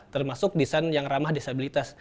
termasuk desain yang ramah disabilitas